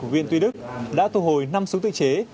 huyện tuy đức đã thu hồi năm súng tự chế